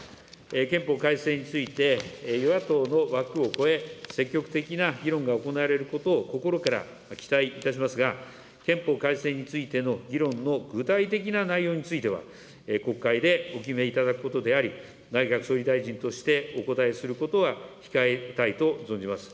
憲法改正について、与野党の枠を超え、積極的な議論が行われることを心から期待いたしますが、憲法改正についての議論の具体的な内容については、国会でお決めいただくことであり、内閣総理大臣としてお答えすることは控えたいと存じます。